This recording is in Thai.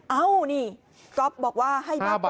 เอ้านี่ก๊อฟบอกว่าให้มากกว่า